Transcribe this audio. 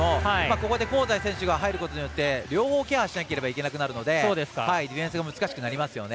ここで香西選手が入ることによって両方ケアしなければならなくなるのでディフェンスが難しくなりますよね。